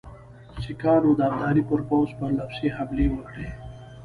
سیکهانو د ابدالي پر پوځ پرله پسې حملې وکړې.